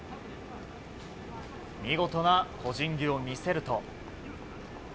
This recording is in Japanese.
見事な個人技を見せると。